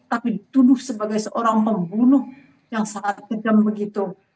tapi dituduh sebagai seorang pembunuh yang sangat kejam begitu